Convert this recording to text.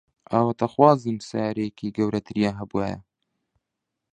ئاواتەخوازن سەیارەیەکی گەورەتریان هەبوایە.